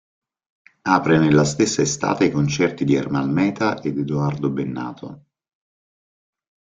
Apre nella stessa estate i concerti di Ermal Meta ed Edoardo Bennato.